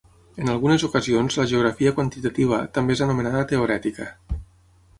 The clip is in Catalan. En algunes ocasions la geografia quantitativa també és anomenada teorètica.